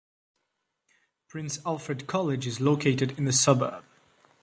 Prince Alfred College is located in the suburb.